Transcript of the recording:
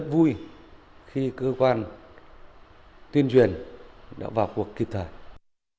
tôi rất vui khi cơ quan tuyên truyền đã vào cuộc kịp thời